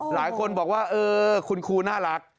หลายคนบอกว่าเออคุณครูน่ารัก